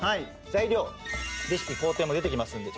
材料レシピ工程も出てきますんで。